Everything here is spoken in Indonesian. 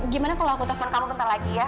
gimana kalau aku telpon kamu bentar lagi ya